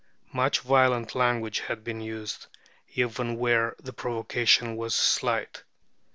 Much violent language had been used, even where the provocation was slight.